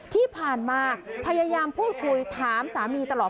ที่ผ่านมาพยายามพูดคุยถามสามีตลอด